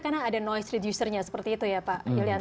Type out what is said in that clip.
karena ada noise reducernya seperti itu ya pak yudhoyanto